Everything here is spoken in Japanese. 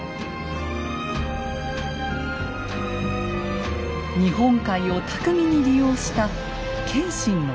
日本海を巧みに利用した謙信の戦術。